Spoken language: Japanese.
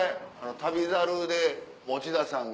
『旅猿』で持田さんが。